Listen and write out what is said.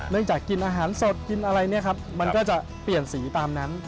เนื่องจากกินอาหารสดกินอะไรมันก็จะเปลี่ยนสีตามนั้น